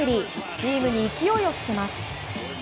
チームに勢いをつけます。